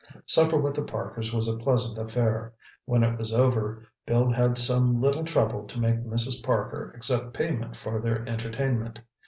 Supper with the Parkers was a pleasant affair. When it was over Bill had some little trouble to make Mrs. Parker accept payment for their entertainment.